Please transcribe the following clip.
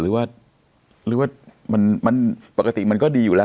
หรือว่าหรือว่ามันปกติมันก็ดีอยู่แล้ว